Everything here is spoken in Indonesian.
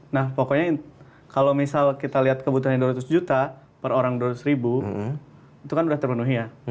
nah pokoknya kalau misal kita lihat kebutuhannya dua ratus juta per orang dua ratus ribu itu kan sudah terpenuhi ya